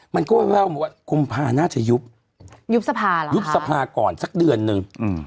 มันก็แววมาว่ากุมภาน่าจะยุบยุบสภาแล้วยุบสภาก่อนสักเดือนนึง